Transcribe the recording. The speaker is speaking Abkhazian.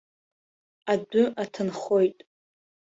Адәы аҭынхоит.